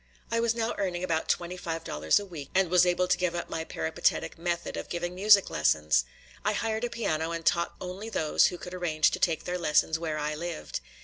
I was now earning about twenty five dollars a week, and was able to give up my peripatetic method of giving music lessons. I hired a piano and taught only those who could arrange to take their lessons where I lived.